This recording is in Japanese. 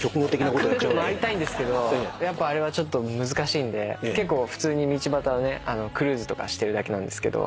くるくる回りたいんですけどやっぱあれは難しいんで結構普通に道端クルーズとかしてるだけなんですけど。